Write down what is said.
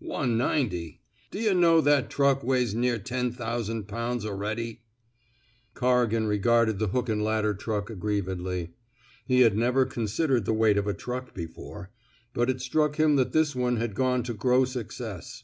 One ninety? D'yuh know that truck weighs near ten thousand pounds already? Corrigan regarded the hook and ladder truck aggrievedly. He had never con sidered the weight of a truck before, but it struck him that this one had gone to gross excess.